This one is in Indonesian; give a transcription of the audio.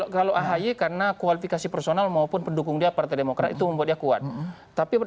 kalau ahy karena kualifikasi personal maupun pendukung dia partai demokrat itu membuat dia kuat